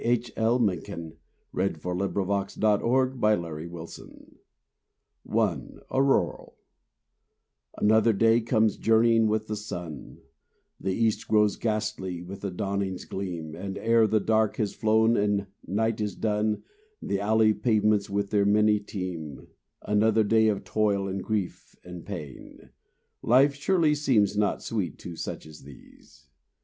SONGS of THE CITY SONGS OF THE CITY I—Auroral Another day comes journeying with the sun, The east grows ghastly with the dawning's gleam, And e'er the dark has flown and night is done The alley pavements with their many teem. Another day of toil and grief and pain; Life surely seems not sweet to such as these!